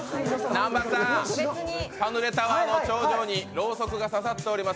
南波さーん、パヌレタワーの頂上にろうそくが刺さっています。